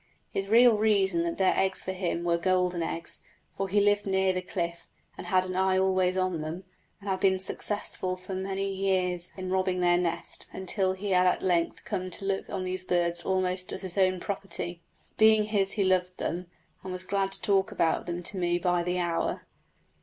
His real reason was that their eggs for him were golden eggs, for he lived near the cliff, and had an eye always on them, and had been successful for many years in robbing their nest, until he had at length come to look on these birds almost as his own property. Being his he loved them, and was glad to talk about them to me by the hour.